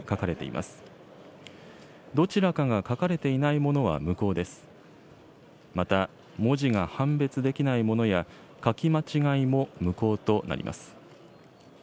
また、文字が判別できないものや、書き間違いも無効となります。